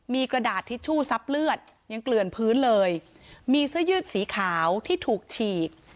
มีกระดาษทิชชู่ซับเลือดยังเกลื่อนพื้นเลยมีเสื้อยืดสีขาวที่ถูกฉีก